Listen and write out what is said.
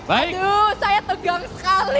aduh saya tegang sekali